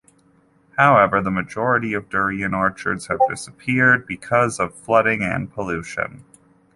However, the majority of durian orchards have disappeared because of flooding and pollution.